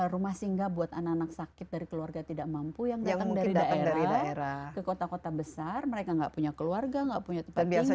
rumah singgah buat anak anak sakit dari keluarga tidak mampu yang datang dari daerah ke kota kota besar mereka nggak punya keluarga nggak punya tempat tinggal